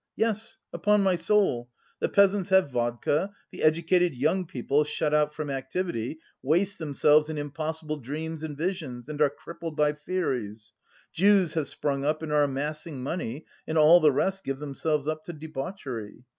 Yes, upon my soul! The peasants have vodka, the educated young people, shut out from activity, waste themselves in impossible dreams and visions and are crippled by theories; Jews have sprung up and are amassing money, and all the rest give themselves up to debauchery.